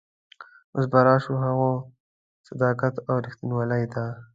اوس به راشو هغه صداقت او رښتینولي ته.